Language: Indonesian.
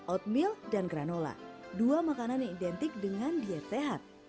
oatmeal dan granola dua makanan yang identik dengan diet sehat